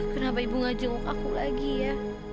kenapa ibu gak jenguk aku lagi ya